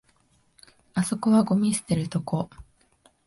あそこはゴミ捨てるとこ